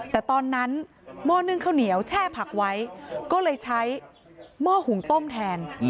แต่ตอนนั้นหม้อนึ่งข้าวเหนียวแช่ผักไว้ก็เลยใช้หม้อหุงต้มแทน